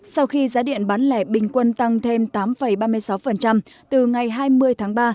sau khi giá điện bán lẻ bình quân tăng thêm tám ba mươi sáu từ ngày hai mươi tháng ba